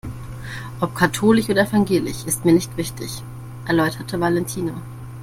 Ob katholisch oder evangelisch ist mir nicht wichtig, erläuterte Valentina.